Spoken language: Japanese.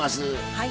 はい。